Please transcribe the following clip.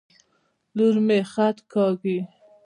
لور مي خط کاږي.